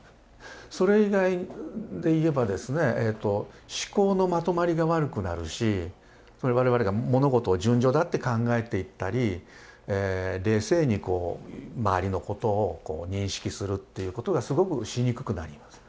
それ以外で言えばですね思考のまとまりが悪くなるし我々が物事を順序立って考えていったり冷静に周りのことを認識するっていうことがすごくしにくくなります。